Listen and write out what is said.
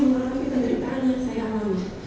mengalami penderitaan yang saya alami